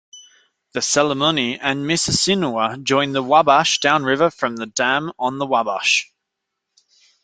The Salamonie and Mississinewa join the Wabash downriver from the dam on the Wabash.